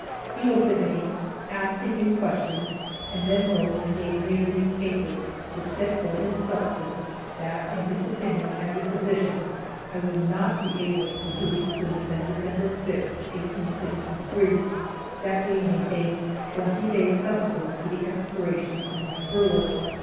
He looked at me, asked a few questions, and then wrote and gave me a brief paper which set forth in substance that, in his opinion as a physician, I would not be able for duty sooner than December 5th, 1863, that being a date twenty days subsequent to the expiration of my furlough.